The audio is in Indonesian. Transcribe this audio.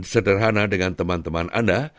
sederhana dengan teman teman anda